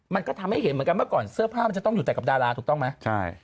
มันก็ทำให้เห็นเหมือนกันเมื่อก่อนเสื้อผ้ามันจะต้องอยู่แต่กับดาราถูกต้องไหมใช่